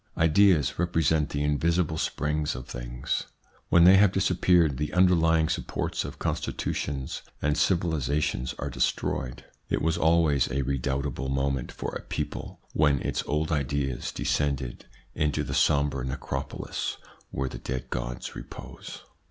Ideas represent the invisible springs of things. When they have disappeared the underlying supports of constitutions and civilisa tions are destroyed. It was always a redoubtable moment for a people when its old ideas descended into the sombre necropolis where the dead gods repose.